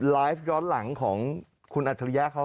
ไลฟ์ย้อนหลังของคุณอัจฉริยะเขา